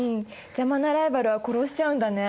邪魔なライバルは殺しちゃうんだね。